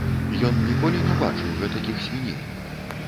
Ён ніколі не бачыў гэтакіх свіней.